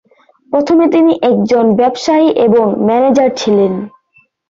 প্রথমে তিনি একজন ব্যবসায়ী এবং ম্যানেজার ছিলেন।